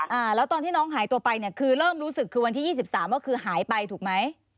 อ่าแล้วตอนที่น้องหายตัวไปเนี่ยคือเริ่มรู้สึกคือวันที่ยี่สิบสามก็คือหายไปถูกไหม